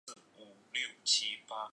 而其手写辨识功能为一大特点。